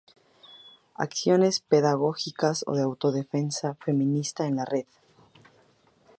acciones pedagógicas o de autodefensa feminista en la red